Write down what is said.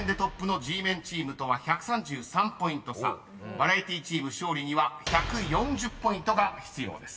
［バラエティチーム勝利には１４０ポイントが必要です］